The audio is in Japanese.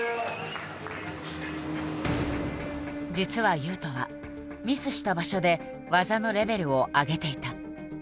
実は雄斗はミスした場所で技のレベルを上げていた。